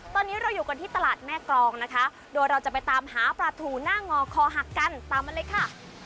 ตอนนี้เราอยู่กันที่ตลาดแม่กรองนะคะโดยเราจะไปตามหาปลาถูหน้างอคอหักกันตามมาเลยค่ะ